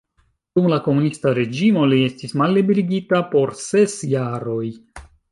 Dum la komunista reĝimo li estis malliberigita por ses jaroj.